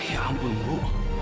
ya ampun bu